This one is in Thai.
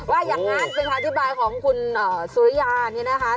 ว่าอย่างนั้นเป็นคำอธิบายของคุณสุริยานี่นะคะ